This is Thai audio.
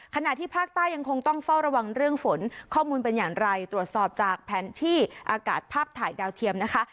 ขณะที่ภาคใต้ยังคงต้องเฝ้าระวังเรื่องฝนข้อมูลเป็นอย่างไรตรวจสอบจากแผนที่อากาศภาพถ่ายดาวเทียมนะคะ